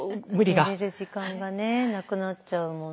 寝れる時間がねなくなっちゃうもんね。